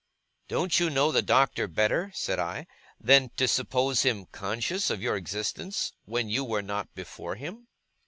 'Don't you know the Doctor better,' said I, 'than to suppose him conscious of your existence, when you were not before him?